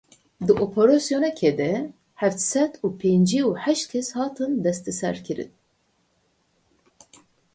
Di operasyonekê de heft sed û pêncî û heşt kes hatin desteserkirin.